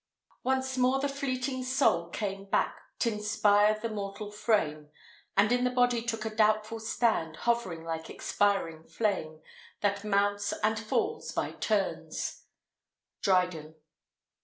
Once more the fleeting soul came back T' inspire the mortal frame, And in the body took a doubtful stand, Hovering like expiring flame, That mounts and falls by turns. Dryden.